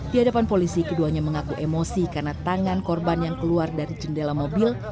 di hadapan polisi keduanya mengaku emosi karena tangan korban yang keluar dari jendela mobil